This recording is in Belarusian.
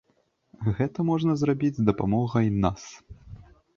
Гэта можна зрабіць з дапамогай нас.